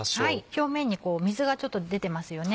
表面に水がちょっと出てますよね。